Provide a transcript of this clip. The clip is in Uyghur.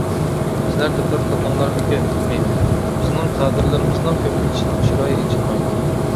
سىلەر دىققەت قىلدىڭلارمىكىن، بىلمەيمەن، بىزنىڭ كادىرلىرىمىزنىڭ كۆپىنچىسىنىڭ چىرايى ئېچىلمايدۇ.